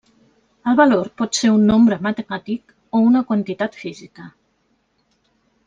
El valor pot ser un nombre matemàtic, o una quantitat física.